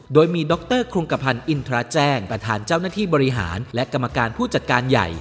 โดยมีดรครุงกระพันธ์อินทราแจ้งประธานเจ้าหน้าที่บริหารและกรรมการผู้จัดการใหญ่